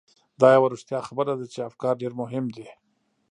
دا یوه رښتیا خبره ده چې افکار ډېر مهم دي.